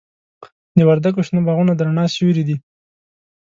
د وردګو شنه باغونه د رڼا سیوري دي.